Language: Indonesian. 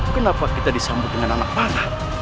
kenapa kita disambut dengan anak panah